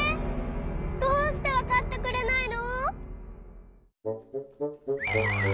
どうしてわかってくれないの！？